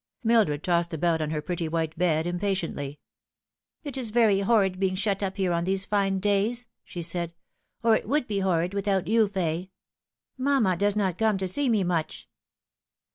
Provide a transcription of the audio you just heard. Mildred tossed about on her pretty white bed impatiently. " It is very horrid being shut up here on these fine days," she eaid ;" or it would be horrid without you, Fay. Mamma does not come to see me much."